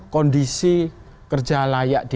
kondisi kerja layak di